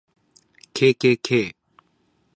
kkk